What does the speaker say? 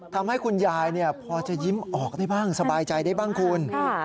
ทำให้คุณยายพอจะยิ้มออกได้บ้างสบายใจได้บ้างคุณ